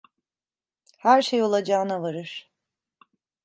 Her şey olacağına varır.